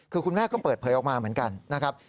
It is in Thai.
คือคุณแม่ก็เปิดเผยออกมาเหมือนกันนะครับ